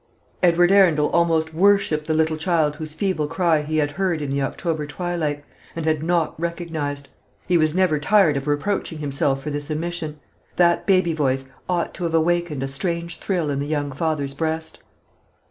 Edward Arundel almost worshipped the little child whose feeble cry he had heard in the October twilight, and had not recognised. He was never tired of reproaching himself for this omission. That baby voice ought to have awakened a strange thrill in the young father's breast.